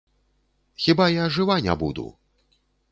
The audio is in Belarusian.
Хіба я жыва не буду!